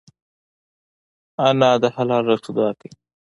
انا د حلال رزق دعا کوي